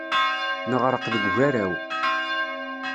Neɣreq deg ugaraw.